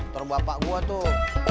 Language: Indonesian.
turun bapak gue tuh